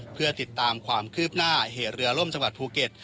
เพื่อติดตามความคืบหน้าเหตุเรือล่มจังหวัดภูเก็ต